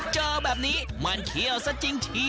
เจอแบบนี้มันเขี้ยวซะจริงที